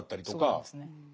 そうですね。